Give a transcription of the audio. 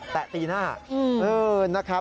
แตะตีหน้า